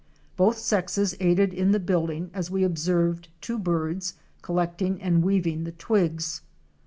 Both sexes aided in the building as we observed two birds collect ing and weaving the twigs.